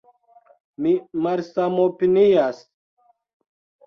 Mi malsamopinias.